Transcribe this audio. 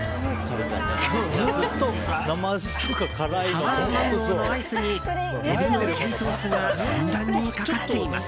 サワーマンゴーのアイスにエビのチリソースがふんだんにかかっています。